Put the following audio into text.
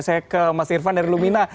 saya ke mas irvan dari lumina